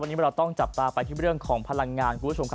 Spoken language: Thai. วันนี้เราต้องจับตาไปที่เรื่องของพลังงานคุณผู้ชมครับ